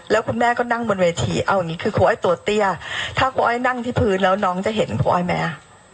แล้วคุณแม่ก็นั่งบนเวทีเอาอย่างงี้คือเขาให้ตัวเตี้ยถ้าก๊วยนั่งที่พื้นแล้วน้องจะเห็นครอยแม่